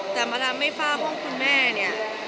แต่เมื่อไม่ฝ้าห้องคุณแม่เนี่ย